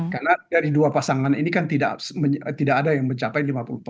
karena dari dua pasangan ini kan tidak ada yang mencapai lima puluh